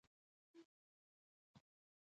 دا د نوي فیوډالي تولید عوامل وو.